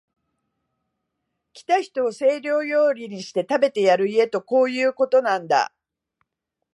来た人を西洋料理にして、食べてやる家とこういうことなんだ